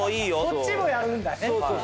そっちもやるんだね。